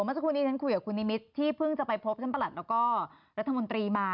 เมื่อสักครู่นี้ฉันคุยกับคุณนิมิตรที่เพิ่งจะไปพบท่านประหลัดแล้วก็รัฐมนตรีมา